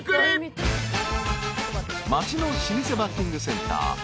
［町の老舗バッティングセンター